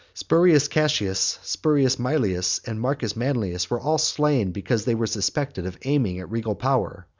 Spurius Cassius, Spurius Maelius, and Marcus Manlius were all slain because they were suspected of aiming at regal power.